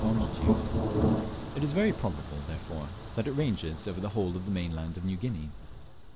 longitude. It is very probable, therefore, that it ranges over the whole of the mainland of New Guinea.